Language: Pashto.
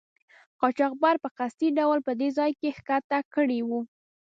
قاچاقبر په قصدي ډول په دې ځای کې ښکته کړي وو.